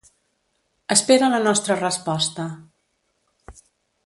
Espera la nostra resposta.